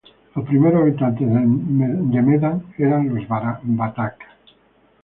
Los primeros habitantes de Medan eran los batak.